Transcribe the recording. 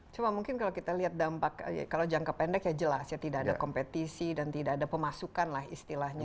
coba mungkin kalau kita lihat dampak kalau jangka pendek ya jelas ya tidak ada kompetisi dan tidak ada pemasukan lah istilahnya